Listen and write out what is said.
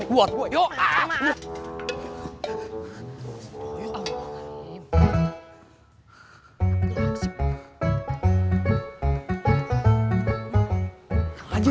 makannya jangan bikin masalah kamu